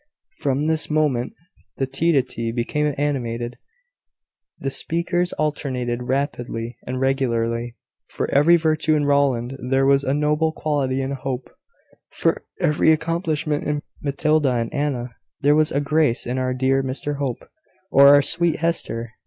From this moment, the tete a tete became animated; the speakers alternated rapidly and regularly; for every virtue in a Rowland there was a noble quality in a Hope; for every accomplishment in Matilda and Anna, there was a grace in "our dear Mr Hope" or "our sweet Hester."